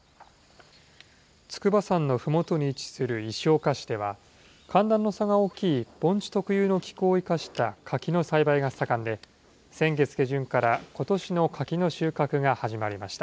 筑波山のふもとに位置する石岡市では、寒暖の差が大きい盆地特有の気候を生かした柿の栽培が盛んで、先月下旬からことしの柿の収穫が始まりました。